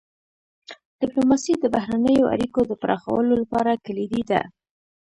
ډيپلوماسي د بهرنیو اړیکو د پراخولو لپاره کلیدي ده.